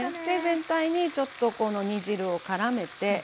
で全体にちょっとこの煮汁をからめて。